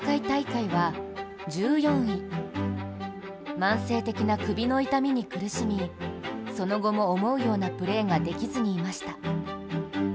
慢性的な首の痛みに苦しみ、その後も思うようなプレーが出来ずにいました。